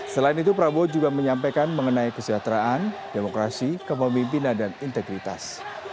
selain itu prabowo juga menyampaikan mengenai kesejahteraan demokrasi kepemimpinan dan integritas